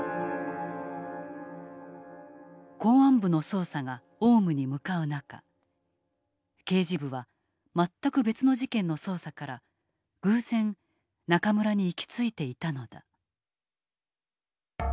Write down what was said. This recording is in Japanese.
公安部の捜査がオウムに向かう中刑事部は全く別の事件の捜査から偶然中村に行き着いていたのだ。